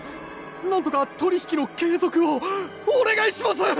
なんとか取り引きの継続をお願いします！